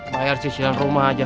bayar sisil rumah aja